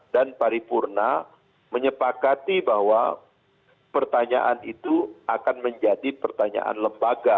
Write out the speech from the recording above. dan paripurna menyepakati bahwa pertanyaan itu akan menjadi pertanyaan lembaga